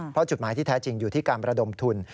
เพราะจุดหมายที่แท้จริงอยู่ที่การประดมทุน